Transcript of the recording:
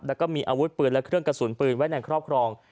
แล้วก็มีอาวุธปืนและเครื่องกระสุนปืนไว้ในครอบครอง